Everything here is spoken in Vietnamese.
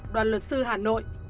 đoàn luật sư hà nội